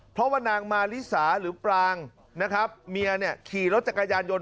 เพราะว่านางมาลิสาหรือปรางนะครับเมียเนี่ยขี่รถจักรยานยนต